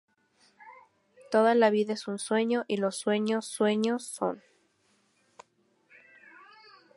Toda la vida es sueño, y los sueños, sueños son